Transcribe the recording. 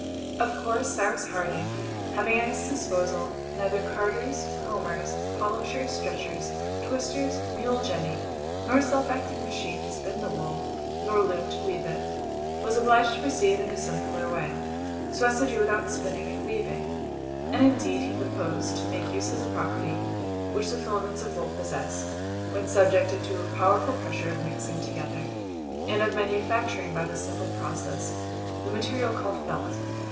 Of course Cyrus Harding, having at his disposal neither carders, combers, polishers, stretchers, twisters, mule jenny, nor self acting machine to spin the wool, nor loom to weave it, was obliged to proceed in a simpler way, so as to do without spinning and weaving. And indeed he proposed to make use of the property which the filaments of wool possess when subjected to a powerful pressure of mixing together, and of manufacturing by this simple process the material called felt.